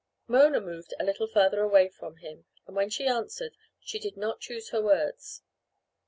Mona moved a little farther away from him, and when she answered she did not choose her words.